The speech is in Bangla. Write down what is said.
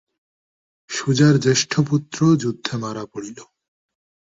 সুজার জ্যেষ্ঠ পুত্র যুদ্ধে মারা পড়িল।